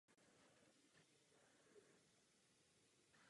Přestoupil však na státní školu Tong High School.